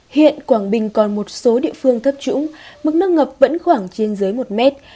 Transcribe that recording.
hiện quảng bình còn một số địa phương thấp trũng mức nước ngập vẫn khoảng trên dưới một mét